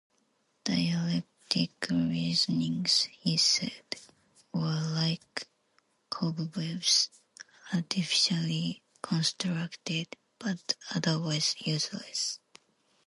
"Dialectic reasonings," he said, "were like cobwebs, artificially constructed, but otherwise useless.